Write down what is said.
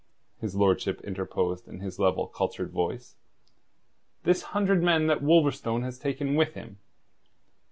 his lordship interposed in his level, cultured voice. "This hundred men that Wolverstone has taken with him?"